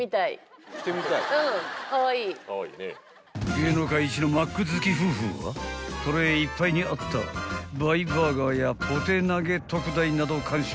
［芸能界一のマック好き夫婦はトレーいっぱいにあった倍バーガーやポテナゲ特大などを完食］